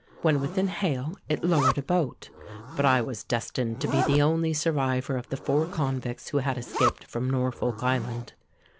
When within hail, it lowered a boat. But I was destined to be the only survivor of the four convicts who had escaped from Norfolk Island.